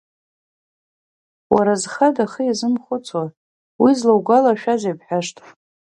Уара, зхада хы иазымхәыцуа, уи злоугәалашәазеи бҳәашт.